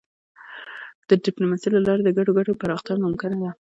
د ډيپلوماسی له لارې د ګډو ګټو پراختیا ممکنه ده.